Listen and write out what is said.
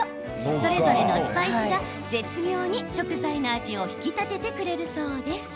それぞれのスパイスが絶妙に食材の味を引き立ててくれるそうです。